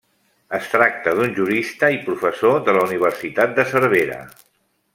Es tracta d'un jurista i professor de la Universitat de Cervera.